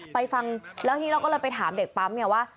ฟังแล้วทีนี้เราก็เลยไปถามเด็กปั๊มไงว่า